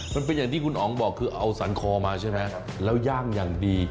มันเป็นอย่างที่คุณอ๋องบอกคือเอาสรรคอมาใช่ไหมแล้วย่างอย่างดี